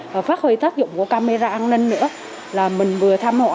và phát huy tác dụng của camera an ninh nữa là mình vừa thăm họ